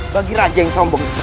bagi raja yang sombong seperti itu